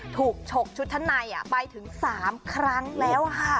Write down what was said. ถูกชกชุดทะนัยไปถึง๓ครั้งแล้วค่ะ